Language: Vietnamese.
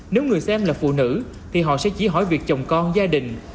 nếu người xem là phụ nữ thì họ sẽ chỉ hỏi việc chồng con gia đình